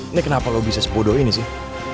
ini kenapa lo bisa sebodoh ini sih